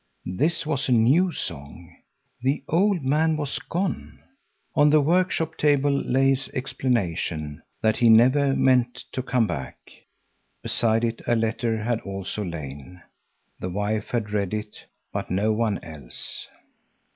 This was a new song. The old man was gone. On the workshop table lay his explanation, that he never meant to come back. Beside it a letter had also lain. The wife had read it, but no one else.